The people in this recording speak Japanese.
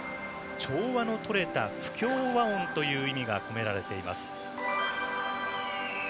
「調和のとれた不協和音」という意味が込められています。